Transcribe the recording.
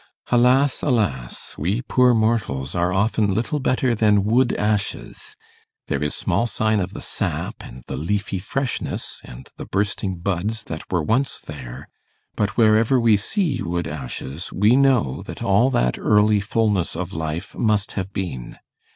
Alas, alas! we poor mortals are often little better than wood ashes there is small sign of the sap, and the leafy freshness, and the bursting buds that were once there; but wherever we see wood ashes, we know that all that early fullness of life must have been.